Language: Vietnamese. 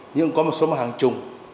nhưng có một số mã hàng chung